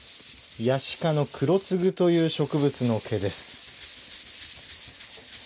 ヤシ科の「くろつぐ」という植物の毛です。